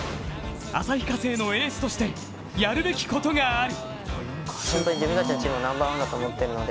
旭化成のエースとしてやるべきことがある。